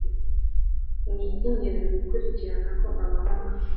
ni iby'ingenzi gukurikirana ko abahungu